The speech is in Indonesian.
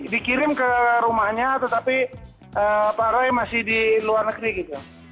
dikirim ke rumahnya tetapi pak roy masih di luar negeri gitu